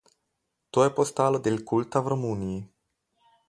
To je postalo del kulta v Romuniji.